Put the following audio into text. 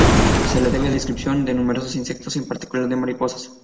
Se le debe la descripción de numerosos insectos y en particular de mariposas.